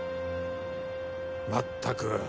まったく。